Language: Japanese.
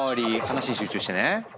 話に集中してね。